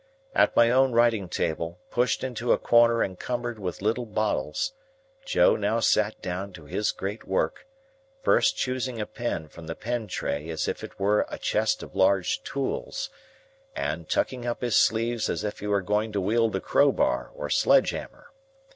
At my own writing table, pushed into a corner and cumbered with little bottles, Joe now sat down to his great work, first choosing a pen from the pen tray as if it were a chest of large tools, and tucking up his sleeves as if he were going to wield a crow bar or sledgehammer.